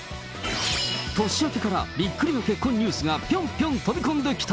年明けからびっくりな結婚ニュースがぴょんぴょん飛び込んできた。